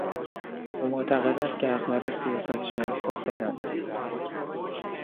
او معتقد است که اغلب سیاستچیان فاسدند.